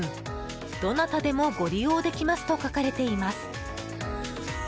「どなたでもご利用できます」と書かれています。